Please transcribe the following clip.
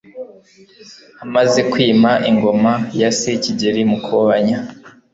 amaze kwima ingoma ya se Kigeli Mukobanya